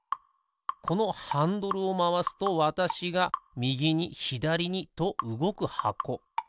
このハンドルをまわすとわたしがみぎにひだりにとうごくはこ。